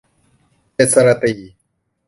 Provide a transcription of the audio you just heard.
เด็ดสะระตี่